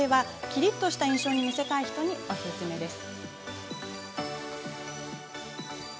きりっとした印象に見せたい人におすすめの色です。